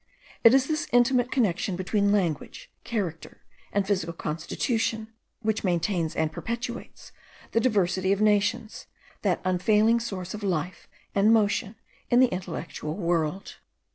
It is this intimate connection between language, character, and physical constitution, which maintains and perpetuates the diversity of nations; that unfailing source of life and motion in the intellectual world.